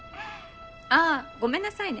あぁごめんなさいね。